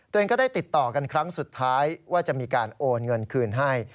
ตัวเองก็ได้ติดต่อกันครั้งสุดท้ายว่าจะมีการโอนเงินคืนให้